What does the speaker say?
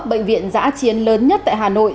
bệnh viện giã chiến lớn nhất tại hà nội